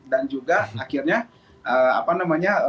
dan juga akhirnya